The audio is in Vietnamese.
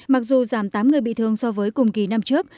mặc dù giảm tám người bị thương so với cùng kỳ năm trước